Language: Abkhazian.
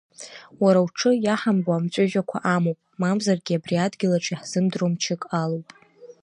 Уара уҽы иаҳамбо амҵәыжәҩақәа амоуп, мамзаргьы абри адгьылаҿ иаҳзымдыруа мчык алоуп…